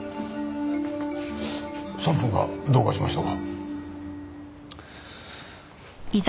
３分がどうかしましたか？